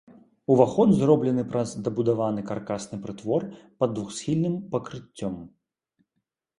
Уваход зроблены праз дабудаваны каркасны прытвор пад двухсхільным пакрыццём.